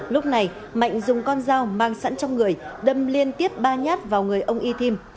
lúc này mạnh dùng con dao mang sẵn trong người đâm liên tiếp ba nhát vào người ông y thim